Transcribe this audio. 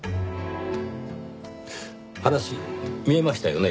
話見えましたよね？